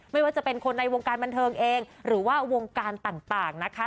ไม่ว่าจะเป็นคนในวงการบันเทิงเองหรือว่าวงการต่างนะคะ